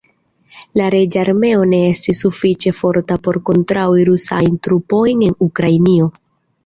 La reĝa armeo ne estis sufiĉe forta por kontraŭi rusajn trupojn en Ukrainio.